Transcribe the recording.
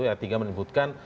ayat tiga menyebutkan